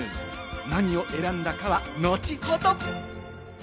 何を選んだかは後ほど。